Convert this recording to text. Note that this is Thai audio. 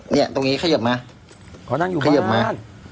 เนี่ยตรงนี้ขยบมาขยบมา